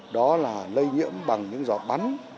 đó là lây nhiễm bằng những giọt bắn